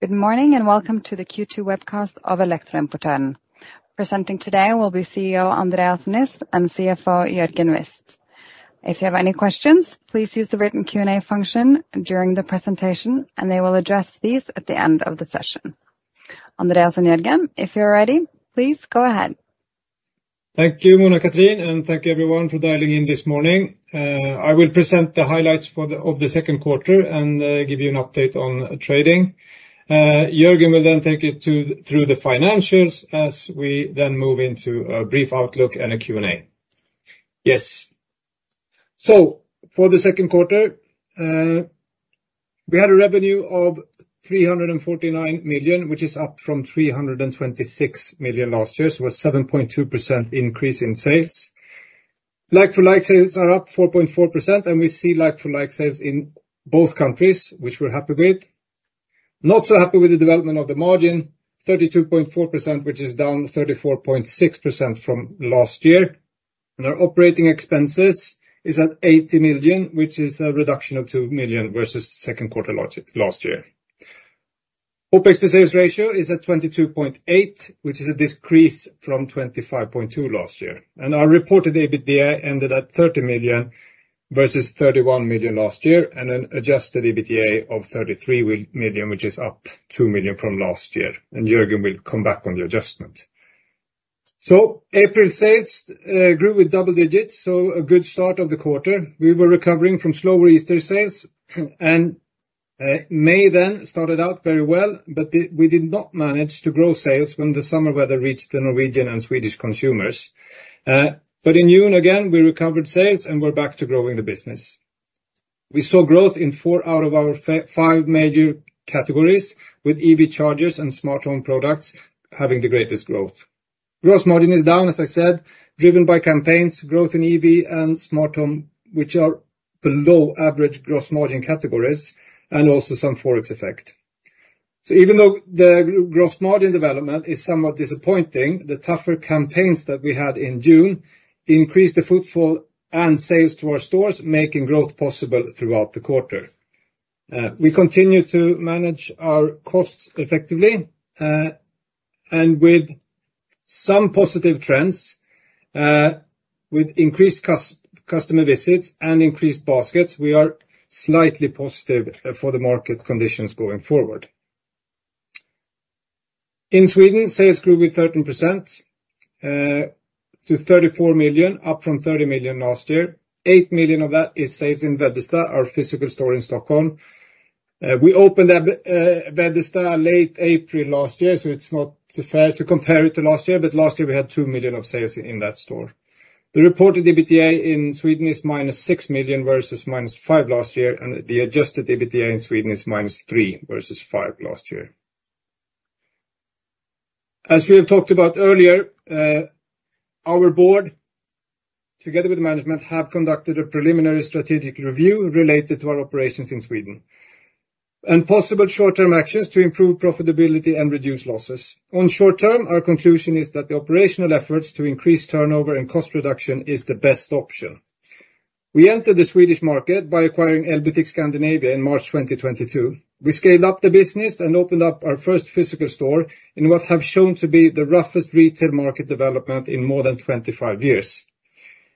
Good morning, and welcome to the Q2 webcast of Elektroimportøren. Presenting today will be CEO, Andreas Niss, and CFO, Jørgen Wist. If you have any questions, please use the written Q&A function during the presentation, and they will address these at the end of the session. Andreas and Jørgen, if you're ready, please go ahead. Thank you, Mona Cathrin, and thank you everyone for dialing in this morning. I will present the highlights of the second quarter and give you an update on trading. Jørgen will then take you through the financials as we then move into a brief outlook and a Q&A. Yes. For the second quarter, we had revenue of 349 million, which is up from 326 million last year, so a 7.2% increase in sales. Like-for-like sales are up 4.4%, and we see like-for-like sales in both countries, which we're happy with. Not so happy with the development of the margin, 32.4%, which is down 34.6% from last year. Our operating expenses is at 80 million, which is a reduction of 2 million versus second quarter last year. OpEx to sales ratio is at 22.8%, which is a decrease from 25.2% last year. Our reported EBITDA ended at 30 million versus 31 million last year, and an adjusted EBITDA of 33 million, which is up 2 million from last year, and Jørgen will come back on the adjustment. April sales grew with double digits, so a good start of the quarter. We were recovering from slower Easter sales, and May then started out very well, but we did not manage to grow sales when the summer weather reached the Norwegian and Swedish consumers. But in June, again, we recovered sales and we're back to growing the business. We saw growth in four out of our five major categories, with EV chargers and smart home products having the greatest growth. Gross margin is down, as I said, driven by campaigns, growth in EV and smart home, which are below average gross margin categories and also some Forex effect. So even though the gross margin development is somewhat disappointing, the tougher campaigns that we had in June increased the footfall and sales to our stores, making growth possible throughout the quarter. We continue to manage our costs effectively, and with some positive trends, with increased customer visits and increased baskets, we are slightly positive, for the market conditions going forward. In Sweden, sales grew with 13%, to 34 million, up from 30 million last year. 8 million of that is sales in Veddesta, our physical store in Stockholm. We opened up Veddesta late April last year, so it's not fair to compare it to last year, but last year we had 2 million of sales in that store. The reported EBITDA in Sweden is minus 6 million, versus minus 5 million last year, and the adjusted EBITDA in Sweden is minus 3 million versus 5 million last year. As we have talked about earlier, our board, together with management, have conducted a preliminary strategic review related to our operations in Sweden, and possible short-term actions to improve profitability and reduce losses. On short term, our conclusion is that the operational efforts to increase turnover and cost reduction is the best option. We entered the Swedish market by acquiring Elbutik Scandinavia in March 2022. We scaled up the business and opened up our first physical store in what have shown to be the roughest retail market development in more than 25 years.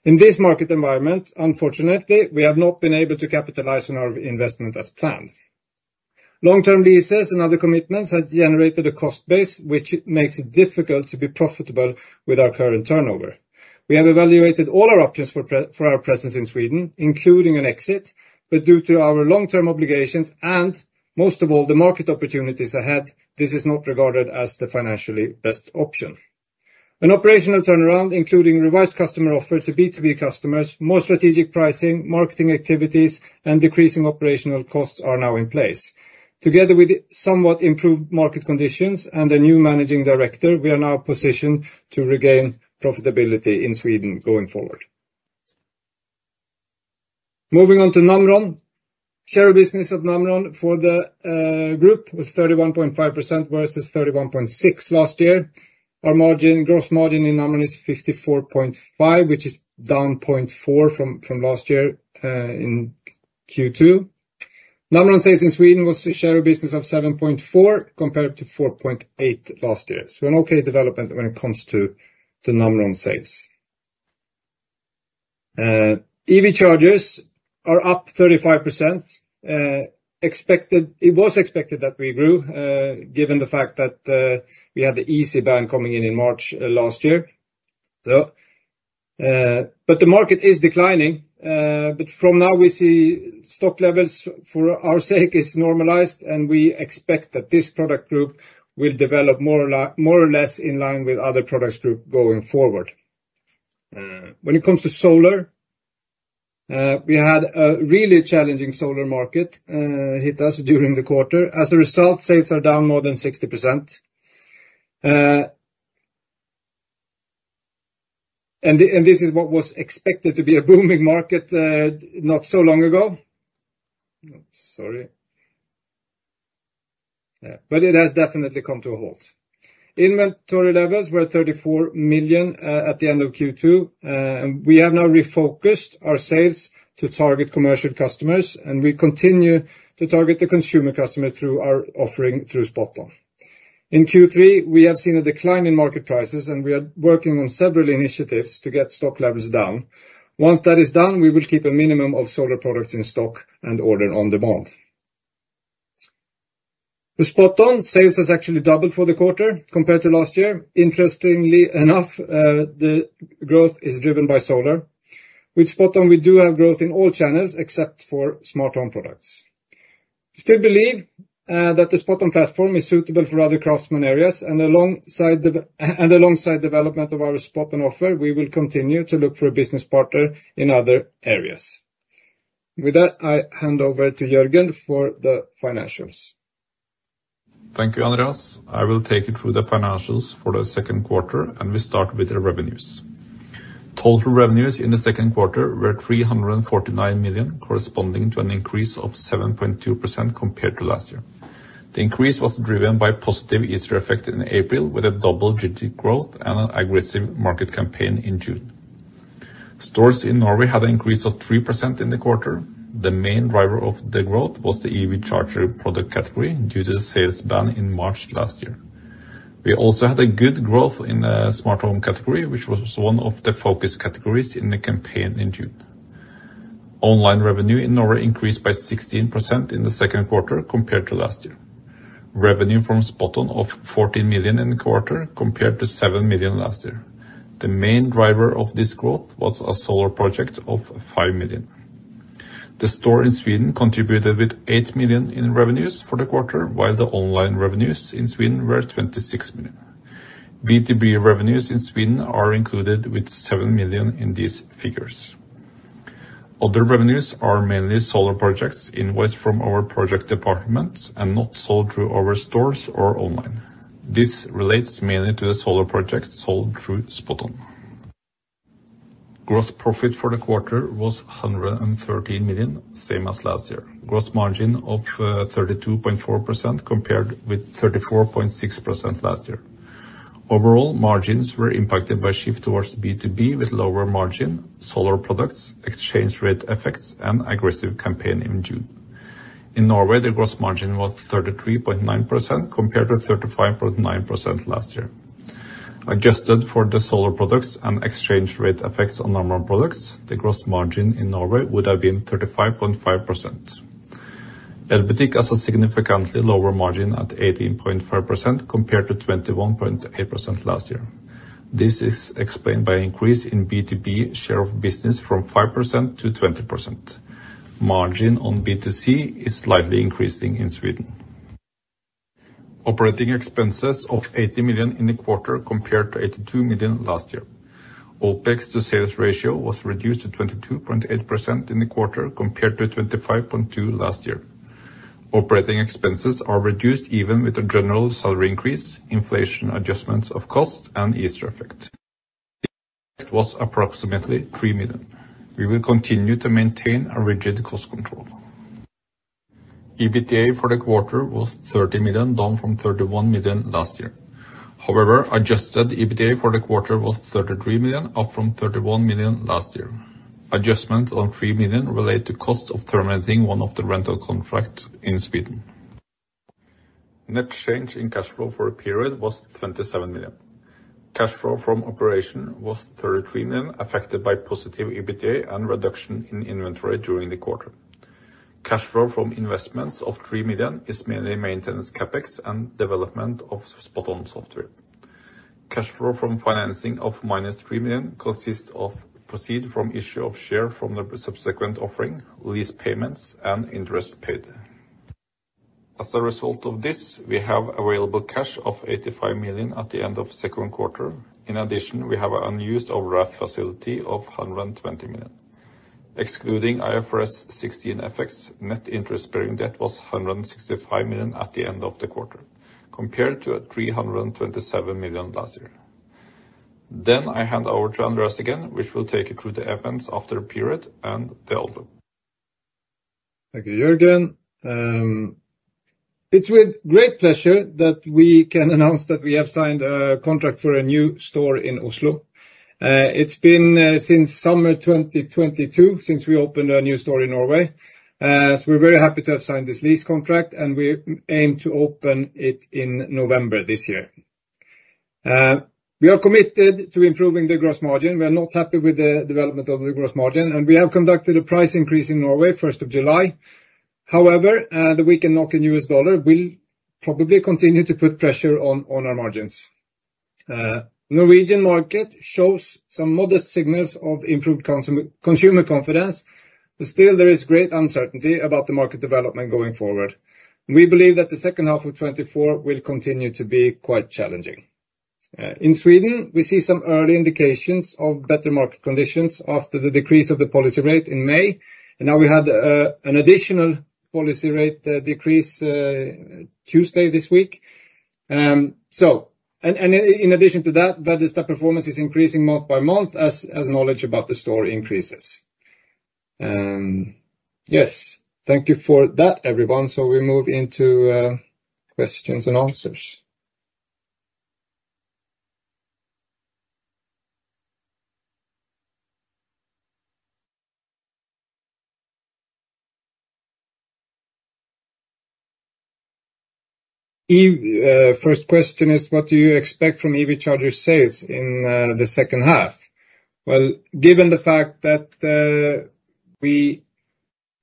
In this market environment, unfortunately, we have not been able to capitalize on our investment as planned. Long-term leases and other commitments have generated a cost base, which makes it difficult to be profitable with our current turnover. We have evaluated all our options for our presence in Sweden, including an exit, but due to our long-term obligations, and most of all, the market opportunities ahead, this is not regarded as the financially best option. An operational turnaround, including revised customer offers to B2B customers, more strategic pricing, marketing activities, and decreasing operational costs are now in place. Together with somewhat improved market conditions and a new managing director, we are now positioned to regain profitability in Sweden going forward. Moving on to Namron. Share business of Namron for the group was 31.5%, versus 31.6 last year. Our margin, gross margin in Namron is 54.5, which is down 0.4 from last year in Q2. Namron sales in Sweden was a share of business of 7.4, compared to 4.8 last year. So an okay development when it comes to the Namron sales. EV chargers are up 35%, expected. It was expected that we grew, given the fact that we had the Easee ban coming in in March last year. The market is declining, but from now, we see stock levels for our sake is normalized, and we expect that this product group will develop more or less in line with other products group going forward. When it comes to solar, we had a really challenging solar market hit us during the quarter. As a result, sales are down more than 60%. And this is what was expected to be a booming market, not so long ago. Sorry. But it has definitely come to a halt. Inventory levels were at 34 million at the end of Q2. And we have now refocused our sales to target commercial customers, and we continue to target the consumer customer through our offering through SpotOn. In Q3, we have seen a decline in market prices, and we are working on several initiatives to get stock levels down. Once that is done, we will keep a minimum of solar products in stock and order on demand. The SpotOn sales has actually doubled for the quarter compared to last year. Interestingly enough, the growth is driven by solar. With SpotOn, we do have growth in all channels except for smart home products. We still believe that the SpotOn platform is suitable for other craftsman areas, and alongside development of our SpotOn offer, we will continue to look for a business partner in other areas. With that, I hand over to Jørgen for the financials. Thank you, Andreas. I will take you through the financials for the second quarter, and we start with the revenues. Total revenues in the second quarter were 349 million, corresponding to an increase of 7.2% compared to last year. The increase was driven by positive Easter effect in April, with a double-digit growth and an aggressive market campaign in June. Stores in Norway had an increase of 3% in the quarter. The main driver of the growth was the EV charger product category, due to the sales ban in March last year. We also had a good growth in the smart home category, which was one of the focus categories in the campaign in June. Online revenue in Norway increased by 16% in the second quarter compared to last year. Revenue from SpotOn of 14 million in the quarter, compared to 7 million last year. The main driver of this growth was a solar project of 5 million. The store in Sweden contributed with 8 million in revenues for the quarter, while the online revenues in Sweden were 26 million. B2B revenues in Sweden are included with 7 million in these figures. Other revenues are mainly solar projects invoiced from our project departments and not sold through our stores or online. This relates mainly to the solar projects sold through SpotOn. Gross profit for the quarter was 113 million, same as last year. Gross margin of 32.4%, compared with 34.6% last year. Overall, margins were impacted by shift towards B2B, with lower margin, solar products, exchange rate effects, and aggressive campaign in June. In Norway, the gross margin was 33.9%, compared to 35.9% last year. Adjusted for the solar products and exchange rate effects on normal products, the gross margin in Norway would have been 35.5%. Elbutik has a significantly lower margin at 18.5%, compared to 21.8% last year. This is explained by increase in B2B share of business from 5% to 20%. Margin on B2C is slightly increasing in Sweden. Operating expenses of 80 million in the quarter, compared to 82 million last year. OpEx to sales ratio was reduced to 22.8% in the quarter, compared to 25.2% last year. Operating expenses are reduced, even with a general salary increase, inflation adjustments of cost, and Easter effect. It was approximately 3 million. We will continue to maintain a rigid cost control. EBITDA for the quarter was 30 million, down from 31 million last year. However, adjusted EBITDA for the quarter was 33 million, up from 31 million last year. Adjustment on three million relate to cost of terminating one of the rental contracts in Sweden. Net change in cash flow for a period was 27 million. Cash flow from operation was 33 million, affected by positive EBITDA and reduction in inventory during the quarter. Cash flow from investments of three million is mainly maintenance, CapEx, and development of SpotOn software. Cash flow from financing of minus three million consists of proceed from issue of share from the subsequent offering, lease payments, and interest paid. As a result of this, we have available cash of 85 million at the end of second quarter. In addition, we have an unused overdraft facility of 120 million. Excluding IFRS 16 effects, net interest-bearing debt was 165 million at the end of the quarter, compared to 327 million last year. Then, I hand over to Andreas again, which will take you through the events after period and the outlook. Thank you, Jørgen. It's with great pleasure that we can announce that we have signed a contract for a new store in Oslo. It's been since summer 2022 since we opened a new store in Norway. So we're very happy to have signed this lease contract, and we aim to open it in November this year. We are committed to improving the gross margin. We are not happy with the development of the gross margin, and we have conducted a price increase in Norway, first of July. However, the weak NOK and strong USD will probably continue to put pressure on our margins. The Norwegian market shows some modest signals of improved consumer confidence, but still there is great uncertainty about the market development going forward. We believe that the second half of 2024 will continue to be quite challenging. In Sweden, we see some early indications of better market conditions after the decrease of the policy rate in May, and now we have an additional policy rate decrease Tuesday this week. So and in addition to that, the store performance is increasing month by month as knowledge about the store increases. Yes, thank you for that, everyone. So we move into questions and answers. First question is: What do you expect from EV charger sales in the second half? Well, given the fact that we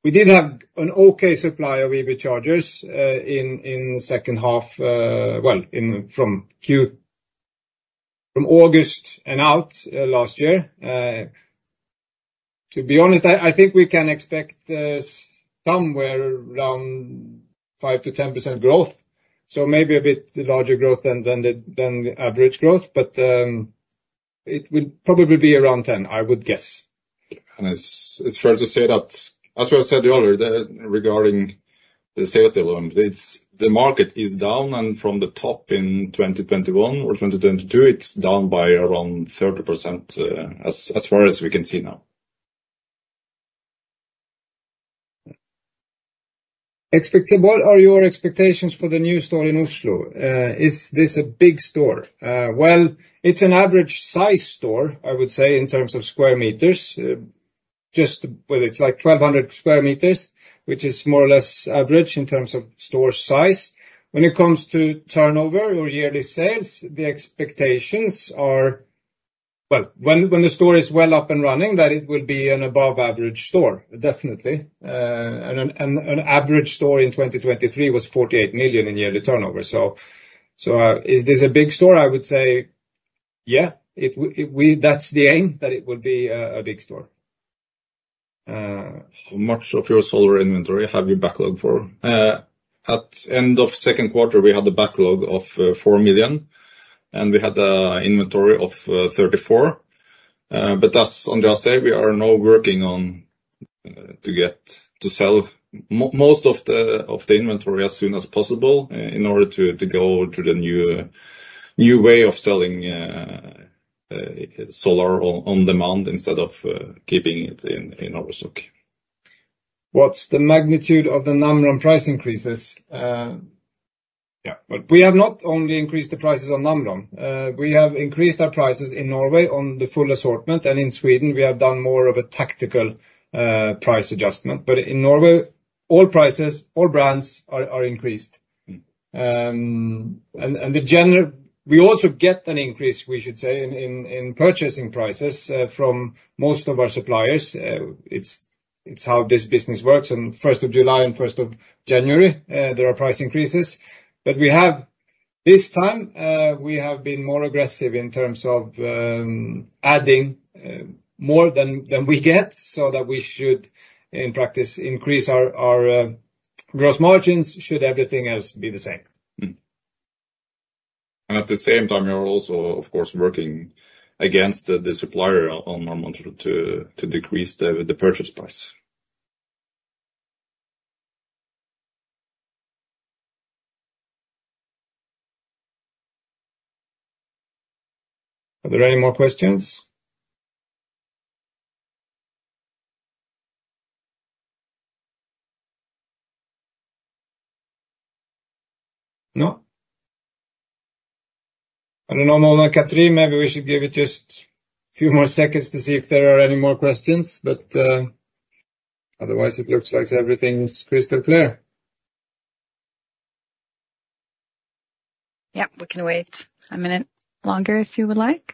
did have an okay supply of EV chargers in second half, well, in from Q- [audio distorition] from August and out last year. To be honest, I think we can expect somewhere around 5% to 10% growth, so maybe a bit larger growth than the average growth, but it would probably be around 10, I would guess. It's fair to say that as we have said earlier, regarding the sales development, the market is down, and from the top in 2021 or 2022, it's down by around 30%, as far as we can see now. What are your expectations for the new store in Oslo? Well, it's an average-size store, I would say, in terms of square meters. Well, it's like 1,200 square meters, which is more or less average in terms of store size. When it comes to turnover or yearly sales, the expectations are well, when the store is well up and running, that it will be an above average store, definitely. And an average store in 2023 was 48 million in yearly turnover. So, is this a big store? I would say, yeah, that's the aim, that it would be a big store. How much of your solar inventory have you backlogged for? At end of second quarter, we had a backlog of 4 million, and we had a inventory of 34. But as Andreas say, we are now working on to get to sell most of the inventory as soon as possible in order to go to the new way of selling solar on demand instead of keeping it in our stock. What's the magnitude of the Namron price increases? Yeah. We have not only increased the prices on Namron, we have increased our prices in Norway on the full assortment, and in Sweden, we have done more of a tactical price adjustment, but in Norway, all prices, all brands are increased. We also get an increase, we should say, in purchasing prices from most of our suppliers. It's how this business works, and first of July and first of January there are price increases. But this time, we have been more aggressive in terms of adding more than we get, so that we should, in practice, increase our gross margins, should everything else be the same. And at the same time, you're also, of course, working against the supplier on Namron to decrease the purchase price. Are there any more questions? No? I don't know, Mona Cathrin, maybe we should give it just a few more seconds to see if there are any more questions, but, otherwise, it looks like everything's crystal clear. Yeah, we can wait a minute longer, if you would like.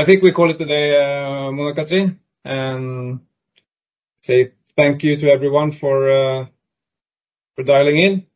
I think we call it a day, Mona Cathrin, and say thank you to everyone for dialing in.